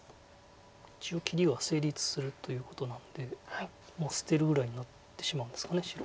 一応切りは成立するということなので捨てるぐらいになってしまうんですか白は。